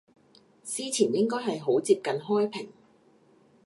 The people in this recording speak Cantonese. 司前應該係好接近開平